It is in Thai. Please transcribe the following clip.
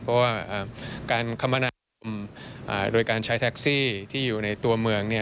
เพราะว่าการคมนาคมโดยการใช้แท็กซี่ที่อยู่ในตัวเมือง